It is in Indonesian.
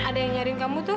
ada yang nyariin kamu tuh